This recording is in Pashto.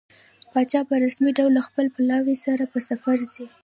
پاچا په رسمي ډول له خپل پلاوي سره په سفر ځي.